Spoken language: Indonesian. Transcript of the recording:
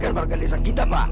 barang barang desa kita pak